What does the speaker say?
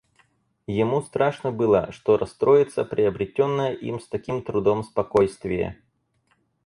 Ему страшно было, что расстроится приобретенное им с таким трудом спокойствие.